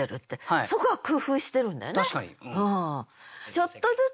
そこは工夫してるんだよね。